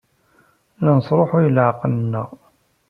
La nesṛuḥuy leɛqel-nneɣ.